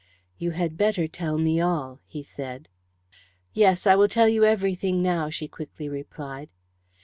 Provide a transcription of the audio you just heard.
"You had better tell me all," he said. "Yes, I will tell you everything now," she quickly replied.